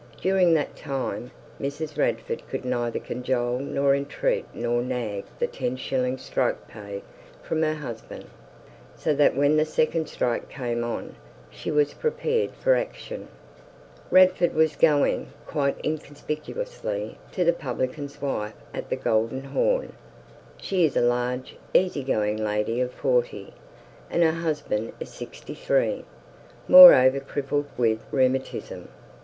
During that time, Mrs. Radford could neither cajole nor entreat nor nag the ten shillings strike pay from her husband. So that when the second strike came on, she was prepared for action. Radford was going, quite inconspicuously, to the publican's wife at the "Golden Horn". She is a large, easy going lady of forty, and her husband is sixty three, moreover crippled with rheumatism.